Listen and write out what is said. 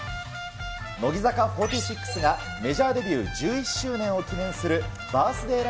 乃木坂４６がメジャーデビュー１１周年を記念するバースデーラ